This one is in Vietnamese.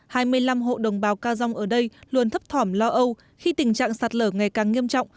hai mươi năm hộ đồng bào ca dông ở đây luôn thấp thỏm lo âu khi tình trạng sạt lở ngày càng nghiêm trọng